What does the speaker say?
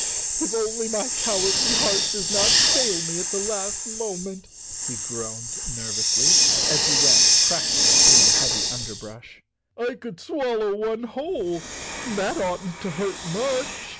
"If only my cowardly heart does not fail me at the last moment," he groaned nervously, as he went crackling through the 108 Chapter Eight heavy underbrush. "I could swallow one whole, and that oughtn't to hurt much."